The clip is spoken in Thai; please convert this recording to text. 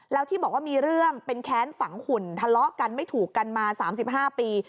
แล้วที่บอกว่ามีเรื่องเป็นแค้นฝังหุ่นทะเลาะกันไม่ถูกกันมา๓๕ปี